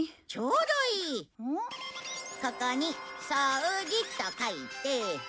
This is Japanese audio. ここに「そうじ」と書いて。